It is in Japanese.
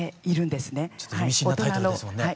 ちょっと意味深なタイトルですもんね。